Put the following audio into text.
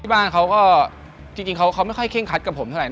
บ้านเขาก็จริงเขาไม่ค่อยเคร่งคัดกับผมเท่าไห